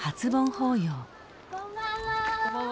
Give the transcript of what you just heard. こんばんは。